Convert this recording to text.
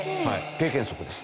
経験則です。